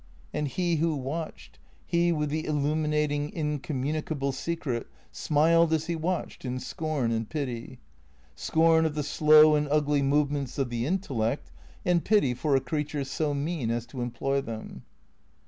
And he who watched, he with the illuminating, incommuni cable secret, smiled as he watched, in scorn and pity. Scorn of the slow and ugly movements of the intellect, and pity for a creature so mean as to employ them.